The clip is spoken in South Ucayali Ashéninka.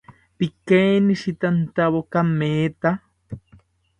Pikeinistantawo kametha